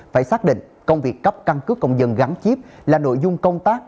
phải xác định công việc cấp căn cứ công dân gắn chiếp là nội dung công tác